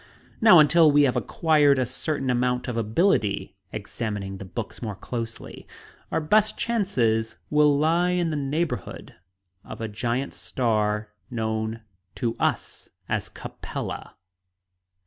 "Now, until we have acquired a certain amount of ability" examining the books more closely "our best chance will lie in the neighborhood of a giant star known to us as Capella."